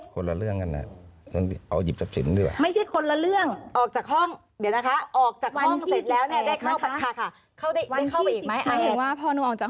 เกิดเหตุวันที่๑๘หลังจากออกจากห้องที่แล้วไม่ได้เข้าไปอีกเลยใช่ไหม